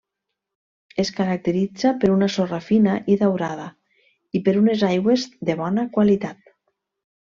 Es caracteritza per una sorra fina i daurada, i per unes aigües de bona qualitat.